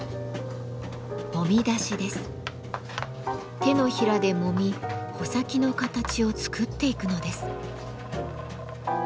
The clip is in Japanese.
手のひらでもみ穂先の形を作っていくのです。